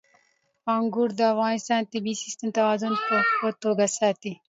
انګور د افغانستان د طبعي سیسټم توازن په ښه توګه ساتي.